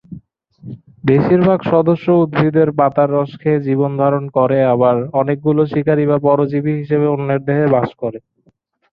বেশিরভাগ সদস্য উদ্ভিদের পাতার রস খেয়ে জীবন-ধারণ করে আবার অনেকগুলো শিকারি বা পরজীবী হিসেবে অন্যের দেহে বাস করে।